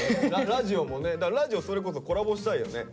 ラジオもねラジオそれこそコラボしたいよね